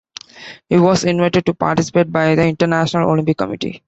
He was invited to participate by the International Olympic Committee.